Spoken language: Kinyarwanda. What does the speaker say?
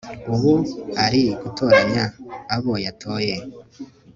ubu ari gutoranya abo yatoye